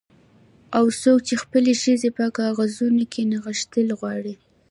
او څوک چې خپلې ښځې په کاغذونو کې نغښتل غواړي